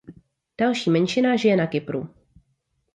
Další menšina žije na Kypru.